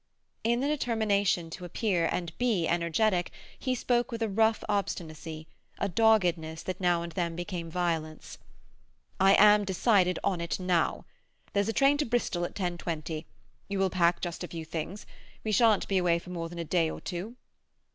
In the determination to appear, and be, energetic, he spoke with a rough obstinacy, a doggedness that now and then became violence. "I am decided on it now. There's a train to Bristol at ten twenty. You will pack just a few things; we shan't be away for more than a day or two."